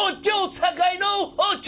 堺の包丁。